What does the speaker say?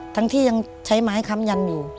ทั้งที่ยังใช้ไม้ค้ำยันอยู่